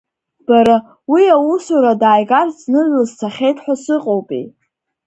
Бара, уи аусура дааигарц зны длызцахьеит ҳәа сыҟоупеи.